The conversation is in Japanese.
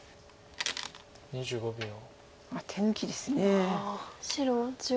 手抜きです。